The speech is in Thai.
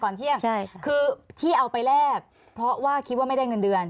เที่ยงคือที่เอาไปแลกเพราะว่าคิดว่าไม่ได้เงินเดือน